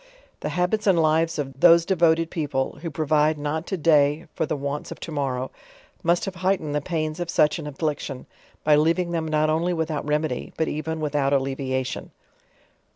The habits and lives of these devoted people, who provide not to day for the wants of to morrow, must have heightened the pains of such an af fliction, by leaving them not only without remedy, but even without allevia f ion.